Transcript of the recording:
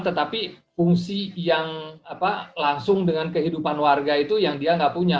tetapi fungsi yang langsung dengan kehidupan warga itu yang dia nggak punya